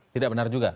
tidak benar juga